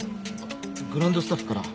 グランドスタッフから。